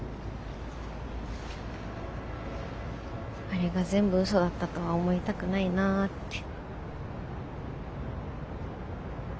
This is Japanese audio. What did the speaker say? あれが全部嘘だったとは思いたくないなぁって。